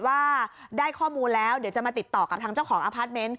ว่าได้ข้อมูลแล้วเดี๋ยวจะมาติดต่อกับทางเจ้าของอพาร์ทเมนต์